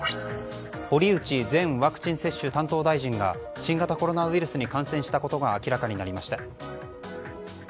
堀内前ワクチン接種担当大臣が新型コロナウイルスに感染したことが明らかになりました。